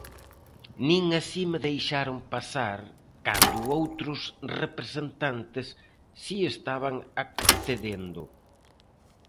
Nin así me deixaron pasar cando outros representantes si estaban accedendo.